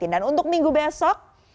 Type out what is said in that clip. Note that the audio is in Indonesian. dan untuk minggu besok